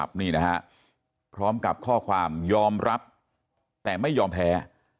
พร้อมกับข้อความยอมรับแต่ไม่ยอมแพ้